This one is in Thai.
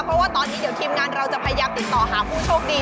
คุณงานเราจะพยายามติดต่อหาผู้โชคดี